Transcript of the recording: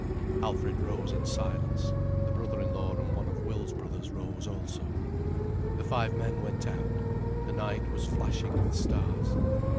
Alfred rose in silence. The brother in law and one of Will's brothers rose also. The five men went out. The night was flashing with stars.